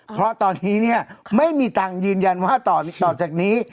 เพราะตอนนี้ไม่มีตังค์ยืนยันว่าต่อจากนี้